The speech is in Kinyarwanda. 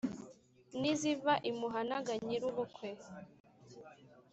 n’iziva imuhanaga nyirubukwe